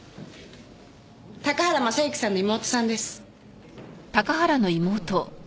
高原雅之さんの妹さんです。